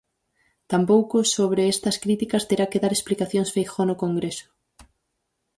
Tampouco sobre estas críticas terá que dar explicacións Feijóo no Congreso.